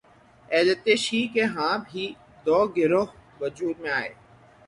اہل تشیع کے ہاں بھی دو گروہ وجود میں آئے